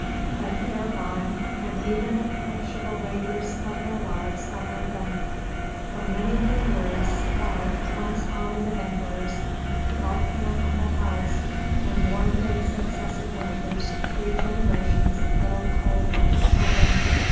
But they are gone, and even the perishable labours of their lives outlive them. For many, many years I, once honoured of emperors, dwelt in a humble house and warmed in successive winters three generations of little, cold, hungry children.